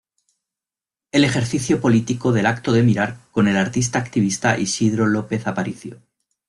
El ejercicio político del acto de mirar con el artista activista Isidro López Aparicio.